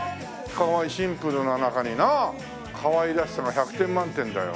かわいいシンプルな中になかわいらしさが１００点満点だよ。